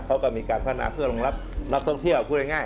เขาก็มีการพัฒนาเพื่อรองรับนักท่องเที่ยวพูดง่าย